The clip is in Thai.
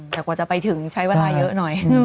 แต่กว่าจะไปถึงใช้เวลาเยอะหน่อย